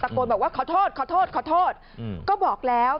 โกนบอกว่าขอโทษขอโทษขอโทษก็บอกแล้ว